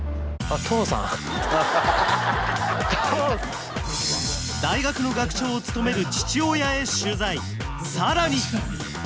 父さん大学の学長を務める父親へ取材さらに！